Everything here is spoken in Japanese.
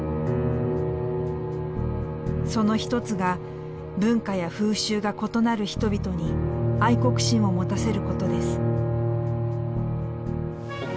その一つが文化や風習が異なる人々に愛国心を持たせることです。